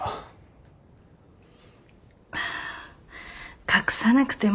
ああ隠さなくても。